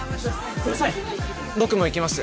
僕も行きます